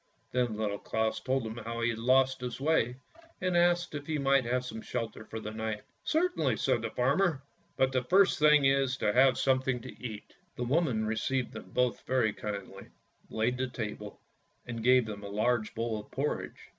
Then Little Claus told him how he had lost his way, and asked if he might have shelter for the night. " Certainly," said the farmer; " but the first thing is to have something to eat." The woman received them both very kindly, laid the table, and gave them a large bowl of porridge.